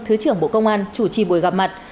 thứ trưởng bộ công an chủ trì buổi gặp mặt